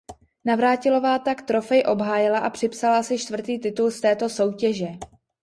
Navrátilová tak trofej obhájila a připsala si čtvrtý titul z této soutěže.